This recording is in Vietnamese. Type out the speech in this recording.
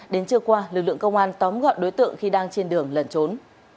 đến trưa qua lực lượng công an tóm gọn đối tượng khi đang trên đường lẩn trốn